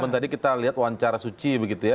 kalau tadi kita lihat wawancara suci